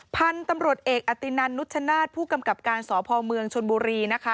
พันธุ์ตำรวจเอกอตินันนุชชนาธิ์ผู้กำกับการสพเมืองชนบุรีนะคะ